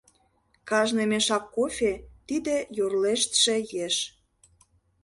Кажне мешак кофе — тиде йорлештше еш.